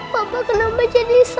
papa kenapa jadi sakit